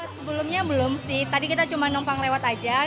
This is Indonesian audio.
sebelumnya belum sih tadi kita cuma numpang lewat aja